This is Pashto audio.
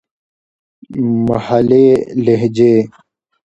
محلې لهجې.